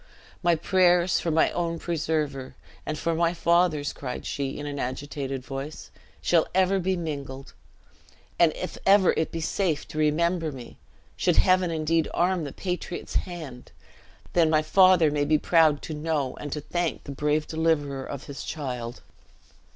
"My prayers for my own preserver, and for my father's," cried she, in an agitated voice, "shall ever be mingled. And, if ever it be safe to remember me should Heaven indeed arm the patriot's hand then my father may be proud to know and to thank the brave deliverer of his child."